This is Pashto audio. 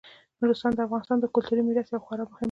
نورستان د افغانستان د کلتوري میراث یوه خورا مهمه برخه ده.